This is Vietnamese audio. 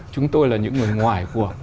chúng tôi là những người ngoài của